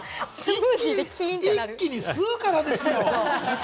一気に吸うからですよ。